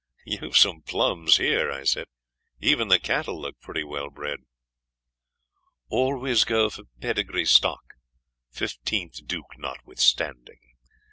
'You've some plums here,' I said. 'Even the cattle look pretty well bred.' 'Always go for pedigree stock, Fifteenth Duke notwithstanding.